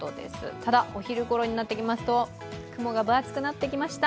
ただ、お昼ごろになってきますと、雲が分厚くなってきました。